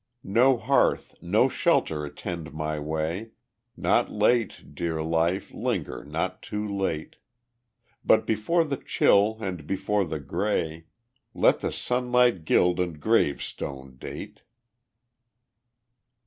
No hearth, no shelter attend my way! Not late, dear life, linger not too late; But before the chill and before the gray, Let the sunset gild the grave stone date.